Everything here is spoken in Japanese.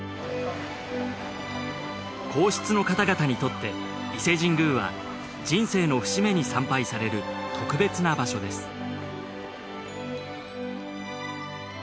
皇室の方々にとって伊勢神宮は人生の節目に参拝される特別な場所です